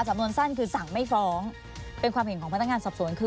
สำนวนสั้นคือสั่งไม่ฟ้องเป็นความเห็นของพนักงานสอบสวนคือ